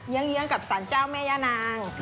เลี้ยงกับสารเจ้าแม่ย่านาง